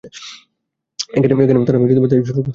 এখানেও তারা তাই শুরু করতে চেয়েছিল।